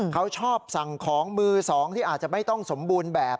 เขาชอบสั่งของมือสองที่อาจจะไม่ต้องสมบูรณ์แบบ